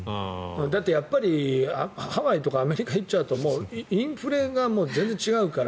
だってハワイとかアメリカに行っちゃうとインフレ率が全然違うから。